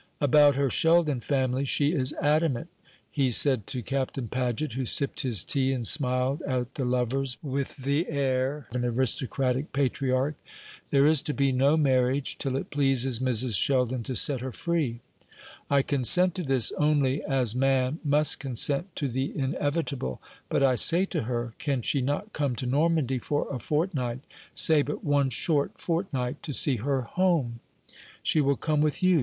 "About her Sheldon family she is adamant," he said to Captain Paget, who sipped his tea and smiled at the lovers with the air of an aristocratic patriarch. "There is to be no marriage till it pleases Mrs. Sheldon to set her free. I consent to this only as man must consent to the inevitable; but I say to her, can she not come to Normandy for a fortnight say but one short fortnight to see her home? She will come with you.